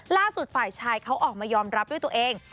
ฝ่ายชายเขาออกมายอมรับด้วยตัวเอง